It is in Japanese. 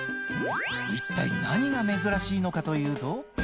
一体何が珍しいのかというと。